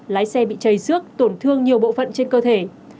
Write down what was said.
lái xe bị chảy xước tổn thương nhiều bộ phận trên cơ thể